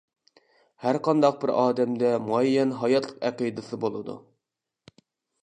ھەر قانداق بىر ئادەمدە مۇئەييەن ھاياتلىق ئەقىدىسى بولىدۇ.